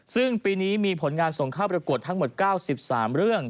ซึ่งปีนี้มีผลงานส่งเข้าประกวดทั้งหมด๙๓เรื่อง